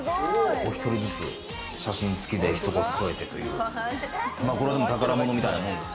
お１人ずつ写真付きで、一言添えてという、これも宝物みたいなもんです。